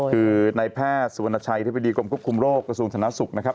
คือในแพทย์สุวรรณชัยธิบดีกรมควบคุมโรคกระทรวงธนสุขนะครับ